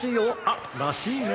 あっらしいね。